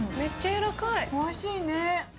おいしいね。